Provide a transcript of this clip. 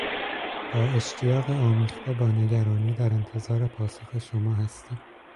با اشتیاق آمیخته با نگرانی در انتظار پاسخ شما هستیم.